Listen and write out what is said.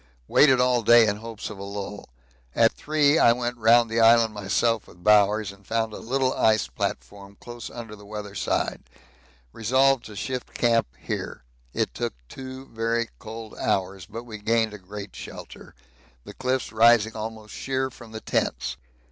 Waited all day in hopes of a lull; at 3 I went round the island myself with Bowers, and found a little ice platform close under the weather side; resolved to shift camp here. It took two very cold hours, but we gained great shelter, the cliffs rising almost sheer from the tents.